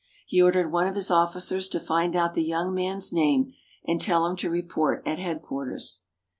He ordered one of his officers to find out the young man's name, and tell him to report at Headquarters.